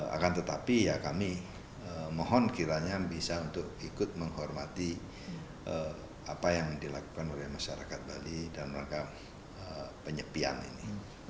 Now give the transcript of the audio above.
akan tetapi ya kami mohon kiranya bisa untuk ikut menghormati apa yang dilakukan oleh masyarakat bali dalam rangka penyepian ini